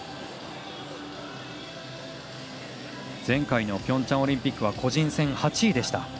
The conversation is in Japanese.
前回ピョンチャンオリンピックは個人戦で８位でした。